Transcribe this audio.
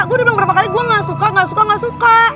gue udah bilang berapa kali gue gak suka gak suka gak suka